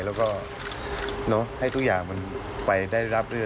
แล้วก็เนอะให้ทุกอย่างมันไปได้รับด้วย